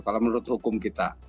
kalau menurut hukum kita